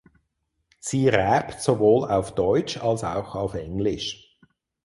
Sie rappt sowohl auf Deutsch als auch auf Englisch.